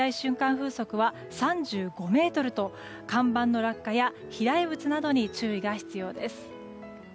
風速は３５メートルと看板の落下や飛来物などに注意が必要です。